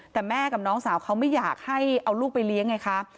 แต่แม่กับน้องสาวเขาไม่อยากให้เอาลูกไปเลี้ยงไงคะ